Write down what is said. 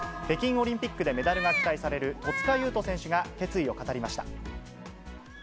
北京オリンピックでメダルが期待される、戸塚優斗選手が決意を語りました。